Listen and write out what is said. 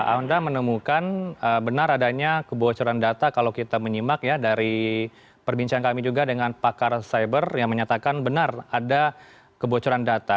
anda menemukan benar adanya kebocoran data kalau kita menyimak ya dari perbincangan kami juga dengan pakar cyber yang menyatakan benar ada kebocoran data